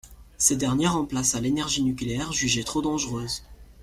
Cette dernière remplacera l'énergie nucléaire jugée trop dangereuse.